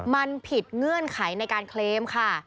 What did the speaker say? มันผิดเงื่อนไขในการเคลมค่ะ